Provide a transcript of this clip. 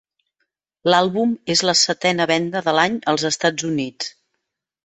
L'àlbum és la setena venda de l'any als Estats Units.